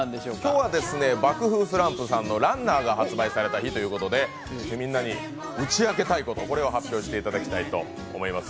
今日はですね、爆風スランプさんの「Ｒｕｎｎｅｒ」が発売されたということで、みんなに打ち明けたいことを発表してもらいたいと思います。